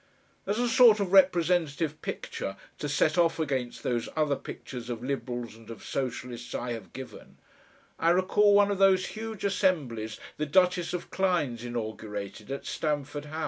As a sort of representative picture to set off against those other pictures of Liberals and of Socialists I have given, I recall one of those huge assemblies the Duchess of Clynes inaugurated at Stamford House.